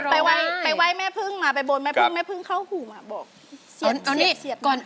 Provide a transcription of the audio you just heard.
ไปไว้ไปไว้แม่เพิ่งมาไปบนแม่เพิ่งแม่เพิ่งเข้าหูมาบอกเสียบเสียบเอานี่